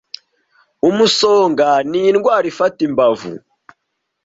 Umusonga ni indwara ifata imbavu.